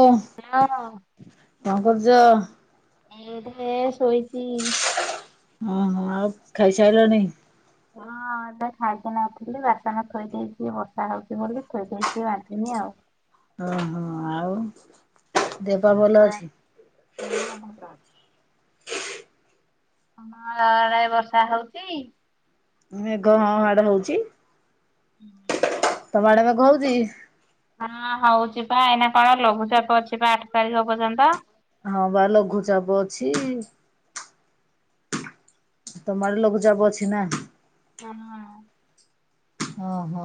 ଓଁ। ହେଲୋ। କଣ କରୁଚ? ଏଇଠିହେ ଶୋଇଚି। ହଁ ହଁ ଆଉ ଖାଇସାରିଲଣିି? ହଁ ଏବେ ଖାଇକିନା ଆସିଲି ବାସନ ଥୋଇ ଦେଇଚି ବର୍ଷା ହୋଉଚି ବୋଲି ଥୋଇ ଦେଇଚି ମାଜିନି ଆଉ। ଓ ହୋ ଆ ଆଉ। ଦେହ ପା ଭଲ ଅଛି? [inaudible] ତମ ଘର ଆଡେ ବର୍ଷା ହଉଚି କି? ମେଘ ହଁ ହାଡେ ହଉଚି। [inaudible] ତମ ଆଡେ ମେଘ ହଉଚି? ହଁ ହଉଛି ପା ଏାଇନା କଣ ଲଘୁଚାପ ଅଛି ପା ଆଠ ତାରିଖ ପର୍ଯ୍ୟନ୍ତ। ହଁ ପା ଲଘୁଚାପ ଅଛି। ତମ ଆଡେ ଲଘୁ ଚାପ ଅଛି ନା? ହଁ। ଓହୋ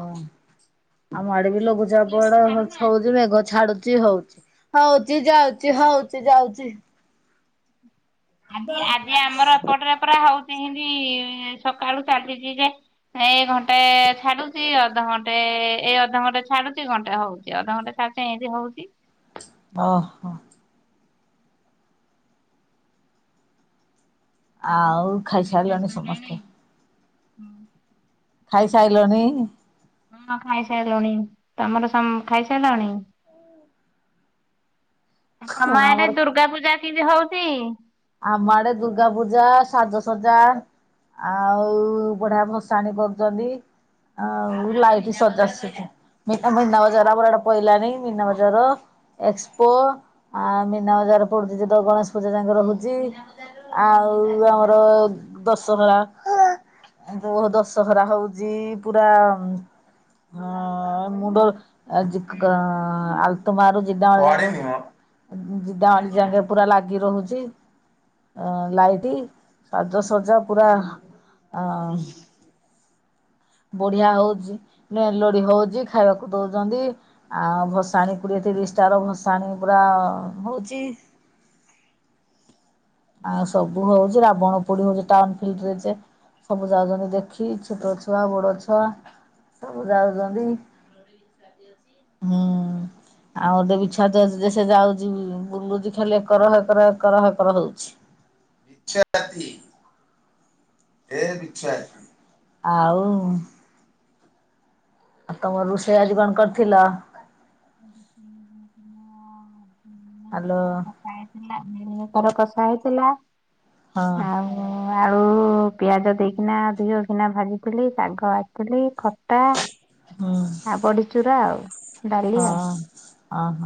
ଆମ ଆଡେ ବର୍ଷା ବି କୋଉଠି ଟିକେ ଲଘୁଚାପ ବି ୟାଡେ ଛାଡୁନି ଆଜି ହଉଚି ମେଘ ଛାଡୁଚି ହଉଚି। ହଉଚି ଯାଉଚି ହଉଚି ଯାଉଚି। ଆଜି ଆଜି ଆମର ଏପଟରେ ପୁରା ହଉଚି ହେମିତି ସକାଳୁ ଚାଲିଛି ଯେ ଏଇ ଘଣ୍ଟେ ଛାଡୁଚି ଅଧଘଣ୍ଟେ ଏଇ ଅଧଘଣ୍ଟେ ଛାଡୁଚି ଘଣ୍ଟେ ହଉଚି ଅଧଘଣ୍ଟେ ଛାଡୁ ସେମିତି ହଉଚି। ଓ ହୋ। ଆଉ ଖାଇସାରିଲଣି ସମସ୍ତେ? [inaudible] ଖାଇସାରିଲନି? ହଁ ଖାଇସାରିଲୁଣି ତମର ସମ ଖାଇସାରିଲଣି? [unintelligible] ହଁ ତମ ଏଡେ ଆମର ଦୁର୍ଗା ପୂଜା କିମିତି ହୋଉଚି? ଆମ ଆଡେ ଦୂର୍ଗା ପୂଜା ସାଜ ସଜା ଆଉ ବଢିଆ ଭଷାଣି କରୁଚନ୍ତି। ଆଉ ଲାଇଟ୍ ସଜାଡୁ ଚନ୍ତି। ମିନା ମିନା ବଜାର ୟାଡେ ପଇଲାଣି ମିନା ବଜାର। ଏକ୍ସପୋ ଆ ମିନା ବଜାର ପଡ଼ୁଚି ଯେ ଗଣେଶ ପୂଜା ଯାଙ୍କ ରହୁଚି। ଜେ ଆଉ ଆମର ଦଶହରା। ଦୋ ଦଶହରା ହଉଚି ପୁରା ହଁ ମୁଣ୍ଡ ଯୋ୍। ଆଜି ଆଲତୁ ମାରୁ ଜିଦା। ଜିଡା ଆଯି ଯାଙ୍କେ ପୁରା ଲାଗି ରହୁଛି। ଲାଇଟି୍ ସାଜସଜା ପୁରା। ବଢିଆ ହଉଛି ମେଲୋଡି ହଉଛି ଖାଇବାକୁ ଦଉଛନ୍ତି। ଆଉ ଭସାଣି କୋଡିଏ ତିରିଶି ଟା ର ଭସାଣି ପୁରା ଅ ହଉଛି। ଆଉ ସବୁ ହଉଛି, ମିଲମିକର ରାବଣ ପୋ ପୋଡି ହଉଛି ଟାଉନ ଫିଲଡିରେ ଯେ ସବୁ ଯାଉଛନ୍ତି ଦେଖି ଛୋଟ ଛୁଆ, ବଡ ଛୁଆ। ସବୁ ଯାଉଛନ୍ତି, ତମର ଇଚ୍ଛା ବି ଅଛି, ହୁଁ। ଆଉ ଗୋଟେ ବି ଛୁଆଟେ ଅଛି ଯେ ଯାଉଛି ବୁଲୁଛି ଖାଲି ଏକର ହେ କର ଏକରହେ କର ହଉଛି। ଛ ଇଚ୍ଛା ଅଛି। ଏ ବିଛା ଆଉ। ଆଉ ତମର ରୋଷେଇ ଆଜି କଣ କରିଥିଲ? କ [unintelligible] ହାଲୋ ହେଲା ମୁଁ ତାର କଷା ହେଇଥିଲା, ହଁ ଆଉ। ଆଳୁ ପିଆଜ ଦେଇକିନା ଦିହ କିନା ଭାଜିଥିଲି ଶାଗ ଆସିଥିଲି ଖଟା। ହଁ। ଆ ବଡ଼ିଚୁରା ଆଉ। ଡାଲି ଆଉ। ହଁ, ଅହ,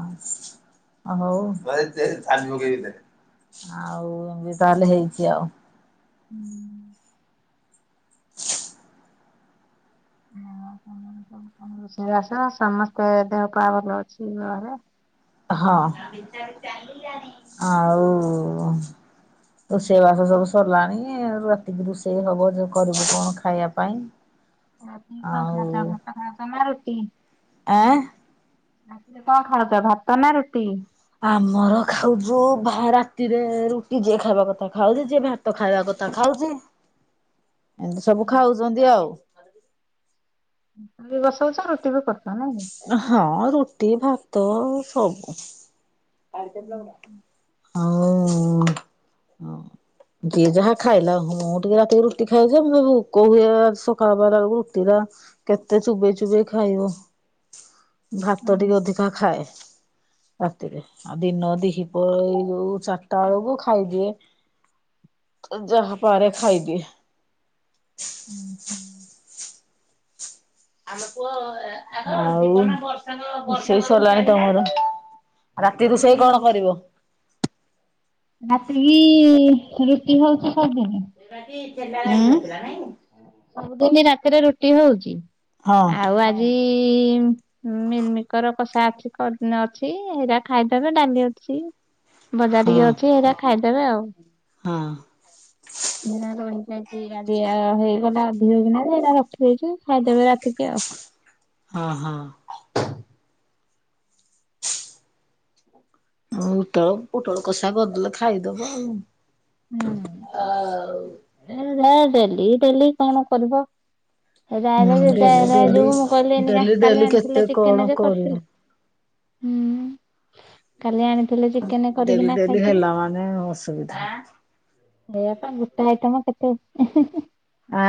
ହଁ ହଉ ଦେ ଚାବି ପକେଇବି ଦେ। ଆଉ ଏମ ବି ତାହେଲେ ହେଇଛି ଆଉ। ହୁଁ। [inaudible] ଅ ହ ହଁ ରୋଷେଇ ବାସ ସମସ୍ତେ ଦେହ ପା ଭଲ ଅଛି ଘରେ। ହଁ, ଆଉ ରୋଷେଇ ବାସ ସବୁ ସରିଲାଣି, ଏ ରାତିକି ରୋଷେଇ ହବ ଯୋଉ କରିବୁ କଣ ଖାଇବା ପାଇଁ। ହ। ରାତି କି କଣ ଖାଉଛ, ଭାତ ଖାଉଛ ନା ରୁଟି? ଆଁ। ରାତିରେ କଣ ଖାଉଛ ଭାତ ନା ରୁଟି? ଆମର ଖାଉଛୁ ଭା ରାତିରେ ରୁଟି ଯିଏ ଖାଇବା କଥା ଖାଉଛି, ଯିଏ ଭା ତ ଖାଇବା କଥା ଖାଉଛି, ଏମିତି ସବୁ ଖାଉଛନ୍ତି ଆଉ। ବି ବସାଉଛ ରୁଟି ବି କରୁଛ ନାଇଁକି। ହଁ ରୁଟି, ଭାତ ସବୁ କୁ [unintelligible] ଆଉ ହ। ଯିଏ ଯାହା ଖାଇଲା, ମୁଁ ଟିକେ ରାତିରେ ରୁଟି ଖାଇଯେ, ମୁଁ ଭୁକ ହୁଏ ସକାଳ ପହିଲା ବେଳକୁ ରୁଟି ଟା କେତେ ଚୁବେଇ ଚୁବେେଇ ଖାଇବ, ହୁଁ ଭାତ ଟିକେ ଅଧିକା ଖାଏ। ରାତିରେ ଆଉ ଦିନ ଦିହି ପ ଏ ଯୋଉ ଚାରିଟା ବେଳକୁ ଖାଇଦିଏ। ଯାହା ପାରେ ଖାଇଦିଏ। ଆଉ ସେଇଷରିଲାଣି ତମର। ରାତି ରୋଷେଇ କଣ କରିବ? ରାତି କି ରୁଟି ହଉଛି ସଵୁଦିନି। ଚୋଥିଲା ନାଇଁ [inaudible] ସବୁଦିନି ରାତିରେ ରୁଟି ହଉଛି, ହଁ ଆଉ ଆଜି ଇମ୍ ମିଲମିକର କଷା ଅଛି, କ ଅଛି ହେଇରା ଖାଇଦେବେ, ଡାଲି ଅଛି। ହ ବଜା ଟିକେ ଅଛି ହେଇରା ଖାଇଦେବେ ଆଉ। ହଁ। ହେନା ରହିଯାଇଛିା ଗାଧିଆ ହେଇଗଲା ଅଧିକ ବିନା ଯେ ହେଇରା ରଖିଦେଇଛି, ଖାଇଦେବେ ରାତିକି ଆଉ। ହଁ, ହଁ। ହ [unintelligible] [inaudible] ପୋଟଳ କଷା କରିଦେଲେ ଖାଇଦବ ହୁଁ ଆଉ ଡେଲି ଡେଲି କଣ କରିବ। ରାଜ ହୁଁ ଡେଲି ରାଜ ଯ ଡେଲି ମୁଁ କହିଲି ଏ ଡେଲି କାଲି ଡେଲି ଆଣିଥିଲ କେତେ କଣ ଚିକେନରେ କରିବ। କରିଥିଲ। ହୁଁ କାଲି ଆଣିଥିଲଥିଲେ ଚିକେନ କରିକି ଡେଲି ନା ଡେଲି ଖାଇଥିଲୁ। ହେଲା ମାନେ ଅସୁବିଧା। ଏପ ଗୁଟ ଆଇଟମା କେତ [unintelligible] ଆ।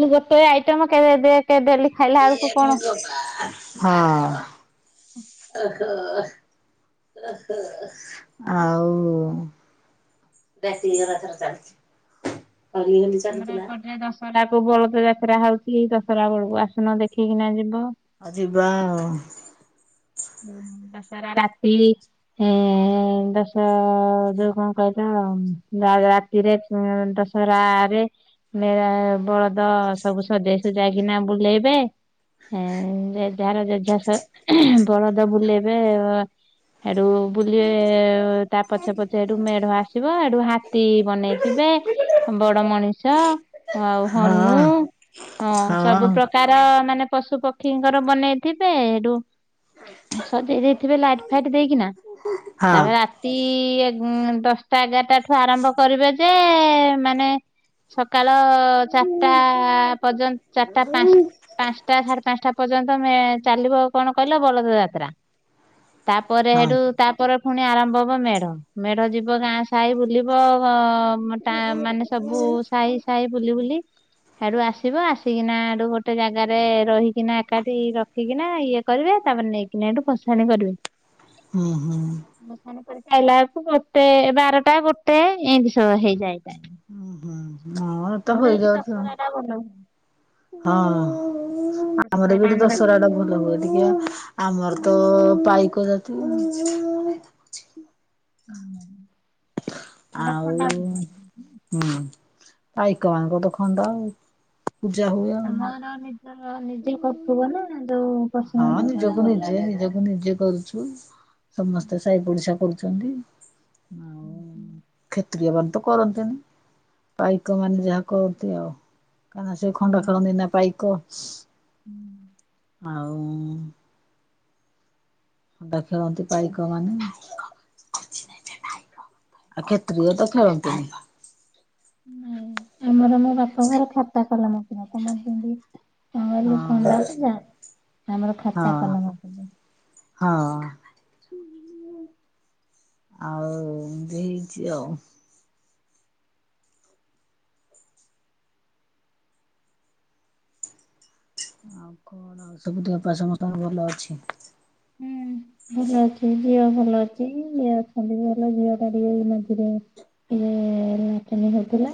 ମୁଁ ଗୋଟେ ଆଇଟମ କେବେ ଦେ କେବେ ଏ ହଁହ ଆଉ। ସ ରଖରେ ଚାଲିଛି। ଆମର ଏ ପେ ଦଶହରା କୁ ବଳଦ ଯାତ୍ରା ହଉଛି ଦଶହରା ବେଳକୁ ଆସୁନ ଦେଖିକିନା ଯିବ। ଅଜିିବା ଆଉ। ହୁଁ ଦଶରା ରାତିି। ହଁ ଦଶ ଯୋଉ କଣ କହିଲ ରେ ଦଶରାାରେରେ ମ ବଳଦ ସବୁ ସଜେଇ ସ ଯାଇକିନା ବୁଲେଇବେ। ହଁ ଯାହାର ଜଜସ ହଳଦ ବୁଲେଇବେ ଆଡୁ। ବୁଲିବେ ତା ପଛେ ପଛେ ଏଠୁ ମେଢ ଆସିବ ଏଠୁ ହାତୀ ବନେଇଥିବେ। ବଡ ମଣିଷ ଆଉ ହନୁ ଆଉ ହ ହଁ ସବୁ ହଁ ପ୍ରକାର ତାର ମାନେ ପଶୁ ପକ୍ଷୀଙ୍କର ବନେଇଥିବେ ଏଇଠୁ ସଜେଇ ଦେଇଥିବେ ଲାଇଟ ଫାଇଟ ଦେଇକିନା ହଁ ତାପରେ ରା ଦଶଟା ଏଗାରଟା ଠୁ ଆରମ୍ଭ କରିବେ ଯେ ମାନେ। ସକାଳ ଚାରିଟା ପର୍ଯ୍ୟନ୍ତ ଚାରିଟା ପାଞ୍ଚ ପାଞ୍ଚଟା ସାଢେ ପାଞ୍ଚଟା। ପର୍ଯ୍ୟନ୍ତ ଚାଲିବ କଣ କହିଲ ବଳଦ ଯାତ୍ରା ତାପରେ ହଁ ହେଠୁ ତା ପରେ ପୁଣି ଆରମ୍ଭ ହବ ମେଢ ମେଢ ଯିବ ଗାଁ ସାହି ବୁଲିବ ଟ ମାନେ ସବୁ ସାହି ସାହି ବୁଲି ବୁଲି ସେଡୁ ଆସିବ ଆସିକିନା ଆଡୁ ଗୋଟେ ଜାଗାରେ ରହିକିନା ଏକାଠି ରଖିକିନା ଇଏ କରିବେ ତାପ ନେଇକିନା ଏଇଠୁ ଖସାଣି କରିବେ। ହୁଁ ହୁଁ। ମ କରି ଖାଇଲା ବେକୁ ଗୋଟେ ବାରଟା ଗୋଟେ ଏଇତିିଶ ହେଇଯାଏ। ଟାଇମ୍। ହ ହ ହଁ ତ ଆମର ଏଠି ହୋଇଯାଉଛି ହଁ। ଦଶହରା ଟା ଭଲ ହୁଏ ଆମର ଦଶହରା ବି ଟା ଗଟେ ଦଶହରା ଟା ଭଲ ହୁଏ ଟିକେ ଆମର ତ ପାଇକ ଜ [inaudible] ଆମର ଆଉ। ଖଣ୍ଡା ପୂଜା କରନ୍ତି ନା ହୁଁ ଭାଇ କବାନ କ ଦ ଖଆନ୍ଦ ଆଉ ପୂଜା ହୁଏ ଆଉ। ତ ନିଜେ କରୁଥିବ ନା। ଯୋଉ ହଁ ପର୍ସନାଲ? ନିଜକୁ ନିଜେ ନିଜକୁ ନିଜେ କରୁଛୁ ସମସ୍ତେ ଓଡ଼ିଶା କରୁଛନ୍ତି ନା ହୁଁ ହୁଁ। କ୍ଷେତୁରିୟ ମାନ ତ କରନ୍ତିନି ପାଇକ ମାନେ ଯାହା କରନ୍ତି ଆଉ। କଁ ସେ ଖଣ୍ଡ ହୁଁ ଖେଳନ୍ତିି ନା ପାଇକ। ହୁଁ। ଆଉ ଖଣ୍ଡା ଖେଳନ୍ତି ପାଇକ ମାନେ କିଛି ନାଇଁ ଯା। ପାଇକ ଆଉ କ୍ଷେତ୍ରୀୟ ତ ଖେଳନ୍ତିନି। ନାଇଁ ଆମର ମୋ ବାପା ଘର ଖାତା କଲା ନ ଥିଲ ତମର ଯେମିତି ଆମେ ହେଲୁ ହଁ ଖଣ୍ଡାୟତ ଜା ଆମର ହଁ। ଖାତା କଲମ ଥିଲା। ହଁ। ଆଉ ଏମିତି ହେଇଛି ଆଉ। ଆଉ କଣ ଆଉ ସବୁ ଦେହ ପା ସମସ୍ତଙ୍କର ଭଲ ଅଛି? ଭଲ ଅଛି ଝିଅ ଭଲ ଅଛି ଏ ଅଛନ୍ତି ଭଲ ଝିଅ ଟା ଟିକେ ଏଇ ମଝିରେ ଇ ଲାଟିନୀ ହଉଥିଲା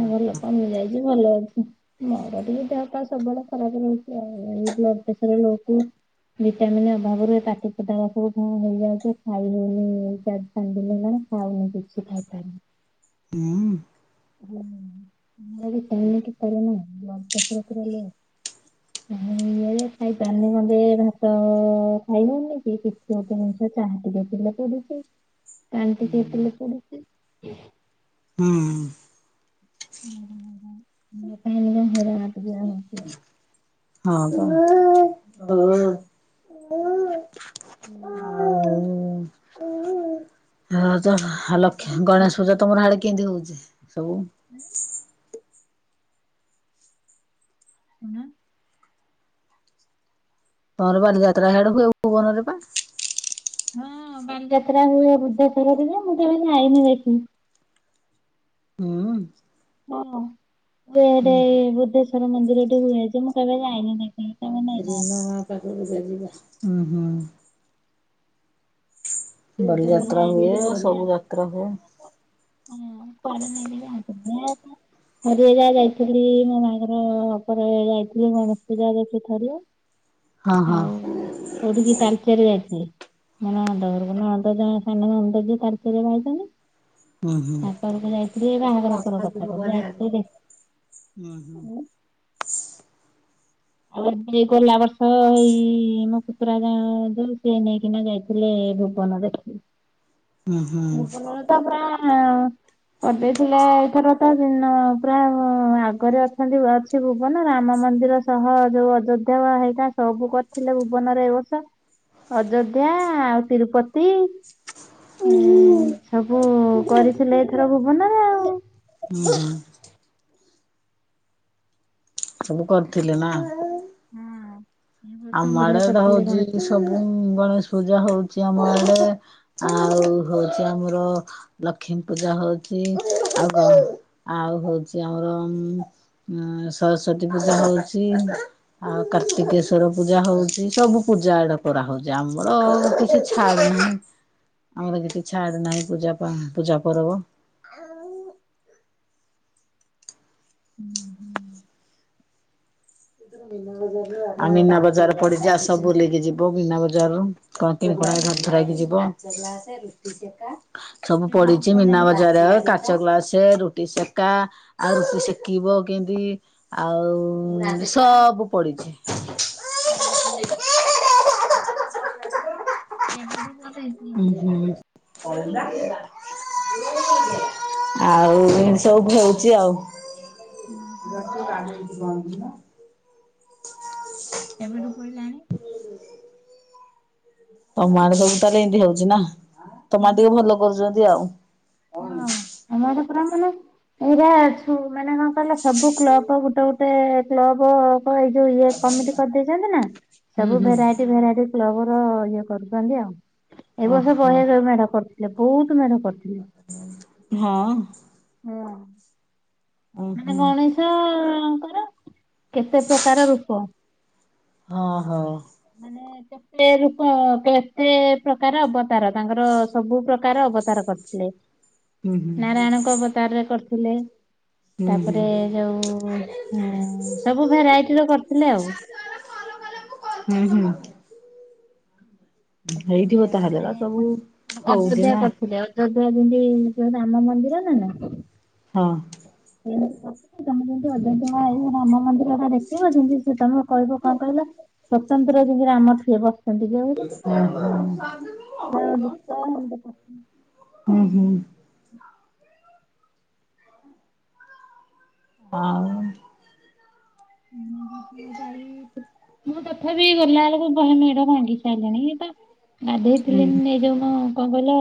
ଏ ଭଲ କମି ଯାଇଛି ଭଲ ଅଛି। ମୋର ଟିକେ ଦେହପା ସବୁବେଳେ ଖରାପ ରହୁଛି ଆଉ ଏଇ ବ୍ଲଡପ୍ରେସର ଲୋ କୁ ଭିଟାମିିନ ଅଭାବରୁ ଏ ପାଟି ପୁଟା ଗୁରା ସବୁ ଉଁ ହେଇଯାଉଛି ଖାଇ ହଉନି ଏଇ ଚାର ଚାରିଦିନି ହେଲାଣି ଖାଉନି କିଛି ଖାଇପାରୁନି। ହୁଁ। [unintelligible] ବ୍ଲଡ ପ୍ରେସର୍ ପୁରା ଲୋ। [inaudible] [unintelligible] ଖାଇପାରୁନି ଗଣ୍ଡେ ଭାତ ଖାଇ ନଉନି କି କିଛି ଗୋଟେ ନୁ। ସେ ଚାହା ଟିକେ ପିଲେ ପଡୁଛି। [inaudible] ପାଣି ବି ପିଇସାରିଲେ ପୋଡୁଛି। ହୁଁଁ ହୁଁ। [unintelligible] ହଁ ପା [unintelligible] ହୁଁ। [unintelligible] ଲକ୍ଷେ ଗଣେଶ ପୂଜା ତମର ହାଡେ କେମିତି ହଉଛି ସବୁ? ଉନା। ତମର ବାଲି ଯାତ୍ରା ହିଆଡେ ହୁଏ ଭୁବନରେ ପା? ହଁ ବାଲିଯାତ୍ରା ହୁଏ ବୃଦ୍ଧେଶ୍ୱରରେ ଯେ ମୁଁ କେବେ ଯାଇନି ଦେଖି। ହୁଁ। ହଁ ହୁଏ ଠେ ଏଇ ବୁଦ୍ଧେଶ୍ଵର ମନ୍ଦିର ଟେ ହୁଏ ଯେ ମୁଁ କେବେ ଯାଇନି ଦେ ରିନା ଅପା କୁଆଡେ ଯେ ଯିବା ହୁଁ ହୁଁ। ବାଲି କେବେ ଯାତ୍ରା ଯାଇନି ହୁଏ ସବୁ ଯାଆନ୍ତିନି। ଯାତ୍ରା ହୁଏ। [unintelligible] ଥରିଏ ଯା ଯାଇଥିଲି ମୋ ମୋବାହାଘର ପରେ ଯାଇଥିଲି ଗଣେଷ ପୂଜା ଦେଖିଥରିଏ। ହଁ ହଁ। କଉଠିକି ତାଲଚେର ଯାଇଥିଲି। ମୋ ନଣନ୍ଦ ଘରକୁ ନଣନ୍ଦ ଜଣେ ସାନ ନଣଦ ଯିଏ ତାଳଚେରେ ବାହା ହେଇଛନ୍ତି। ହୁଁ ହୁଁ। ତାପରକୁ ଯାଇଥିଲି ଆଜି ବାହାଘର ଉପ ମଶା ଯିବ କଥା କ ଘରେ ଆଉ। ଯାଇଥିଲି ହୁଁ ହୁଁ ଦେଖ ଉଁ? ଆଉ ଯେ ଗଲା ବର୍ଷ ଏଇ ମୋ ପୁତୁରା ଗାଁ ଯଉ ସେ ନେଇକିନା ଯାଇ ଥିଲେ ଭୁବନ ଦେଖି। ହୁଁ ହୁଁ ଭୁବନ ଟା ପୁରା କରିଦେଇଥିଲା ଏଥର ତ ନ ପୁରା ଆଗରେ ଅଛନ୍ତି ଅଛି ଭୁବନ ରାମ ମନ୍ଦିର ସହ ଯୋଉ ଅଯୋଧ୍ୟା ବା ହେଇଗା ସବୁ କରିଥିଲେ ଭୁବନରେ ଏ ବର୍ଷ। ଅଯୋଧ୍ୟା ଆଉ ତିରୁପତି ହୁଁ ସବୁ କରିଥିଲେ ଏଥର ଭୁବନରେ ଆ ହୁଁ ହୁଁ। ସବୁ କରିଥିଲେ ନା ହୁଁ। ଆମ ଆଡେ ତ ହଉଛି ସବୁ, ଗଣେଶ ପୂଜା ହଉଛି ଆମ ଆଡେ ଆଉ ହଉଛି ଆମର ଲକ୍ଷ୍ମୀ ପୂଜା ହଉଛି। ଆ ଆଉ ହଉଛି ଆମର ଉ ସରସ୍ଵତୀ ପୂଜା ହଉଛି। ଆଉ କାର୍ତ୍ତିକେସୋ ସ୍ୱର ପୂଜା ହଉଛି ସବୁ ପୂଜା ଆଡେ କରାହଉଛି। ଆମର କିଛି ଛାଡୁନି ଆମର କିଛି ଛାଡୁ ନାହିଁ ପୂଜା, ପୂଜା ପର୍ବ [unintelligible] ଆ ମୀନା ବଜାର ପଡିଛି ଆସ ବୁଲକି ଯିବ, ମୀନା ବଜାରରୁୁ। କେବେଠୁ ପଇଲାଣି [unintelligible] ସବୁ କେବେଠୁ ପଡିଛି ମୀନା ପଇଲାଣି ବଜାର, କା କାଚ ଗ୍ଲାସେ, ରୁଟି ସେକା ଆଉ ରୁଟି ସେକିବ କେମିତି ଆଉ ସଅବୁ ପଡିଛି। [inaudible] ଏବେ ଠୁ [unintelligible] ଆଉ ଏ ସବୁ ହେଉଛି ଆଉ। [unintelligible] ଏବେଠୁ କହିଲାଣି। ତମଆଡେ ସବୁ ତାହେଲେ ଏମତି ହଉଛି ନା, ତମ ଆଡେ ଟିକେ ହୁଁ। ଭଲ କରୁଛନ୍ତି ଆଉ। ହଁ, ଆମ ଆଡେ ପୁରା ମାନେ ଏଇରା ଅଛୁ ମାନେ କଣ କହିଲ ସବୁ କ୍ଲବ ଗୋଟେ ଗୋଟେ କ୍ଲବ ଏଇ ଯୋଉ ଇଏ କମିଟି କରିଦେଇଛନ୍ତି ନା, ହୁଁ ସବୁ ହୁଁ ଭେରାଇଟି ଭେରାଇଟି କ୍ଲବ ର ଇଏ କରୁଛନ୍ତି ଆଉ। ଏ ବର୍ଷ ଓହୋ। ବହେ ମେଢ କରିଥିଲେ। ବହୁତ ମେଢ କରିଥିଲେ। ହଁ। ହଁ। ଓହୋ। ମାନେ ଗଣେଶଙ୍କର କେତେ ପ୍ରକାର ରୂପ। ହଁ ହଁ। ମାନେ କେତେ ରୂପ, କେତେ ପ୍ରକାର ଅବତାର ତାଙ୍କର ସବୁ ପ୍ରକାର ପ୍ରକାର ଅବତାର କରିଥିଲେ। ହୁଁ ହୁଁ ନାରାୟଣଙ୍କ ଅବତାରରେ କରିଥିଲେ। ହୁଁ ତାପରେ ଯୋଉ ସବୁ ଭେରାଇଟିର କରିଥିଲେ ଆଉ। ହୁଁ ହୁଁ। ହେଇଥିବ ତାହେଲେ ମାନେ ବା ସବୁ ହଉଛି ଅଯୋଧ୍ୟା ନା କରିଥିଲେ ଅ ଅଯୋଧ୍ୟା ଯେମିତି ଯୋଉ ରାମ ମନ୍ଦିର ନା ନା ହଁ। ମେ ଯେମିତି ଅଯୋଧ୍ୟା ଆଇ ରାମ ମନ୍ଦିର ଦେଖିବ ଯେମିତି, ସେ ତମେ କହିବ କଣ କହିଲ? ସ୍ୱତନ୍ତ୍ର ଯେମିତି ରାମ ଟିଏ ବସିଛନ୍ତି [unintelligible] ଓ ହଁ। [unintelligible] ହୁଁ ହୁଁ। ହଁ। ଉଁ ହୁଁ ଦାଇ ମୁଁ ତଥାପି ଗଲାବେେଳକୁ ବହେ ଭୋଗ ବାଣ୍ଟି ସାଇଲେଣି ଇଏ ତ ଗାଧେଇଥିଲି ହୁଁ। ଏଇ ଯୋଉ ମ କଣ କହିଲ